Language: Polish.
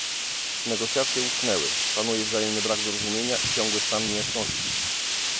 Negocjacje utknęły, panuje wzajemny brak zrozumienia i ciągły stan niejasności